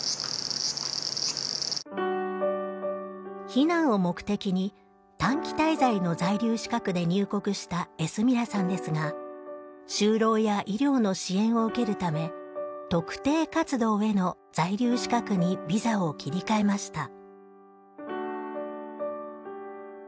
避難を目的に短期滞在の在留資格で入国したエスミラさんですが就労や医療の支援を受けるため特定活動への在留資格にビザを切り替えました。